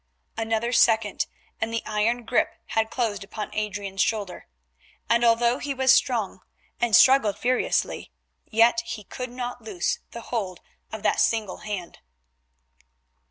Another second and the iron grip had closed upon Adrian's shoulder, and although he was strong and struggled furiously, yet he could not loose the hold of that single hand.